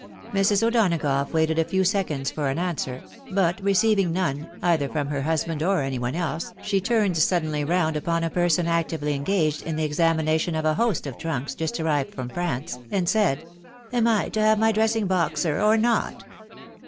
Mrs. O'Donagough waited a few seconds for an answer, but receiving none, either from her husband or any one else, she turned suddenly round upon a person actively engaged in the examination of a host of trunks just arrived from France, and, said, " Am I to have my dressing box, sir, or not